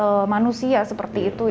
jadi ini tanaman manusia seperti itu